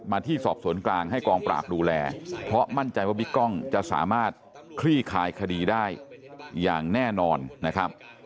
ที่สอบสวนกลางให้กองปราบดูแลเพราะมั่นใจว่าบิ๊กกล้องจะสามารถคลี่คายคดีได้อย่างแน่นอนนะครับ